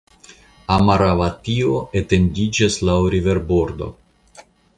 Amaravatio etendiĝas laŭ riverbordo.